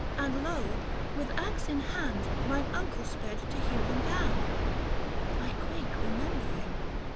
And lo ! with axe in hand mine uncle sped To hew them down — I quake, remembering.